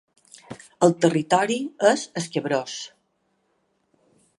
El territori és escabrós.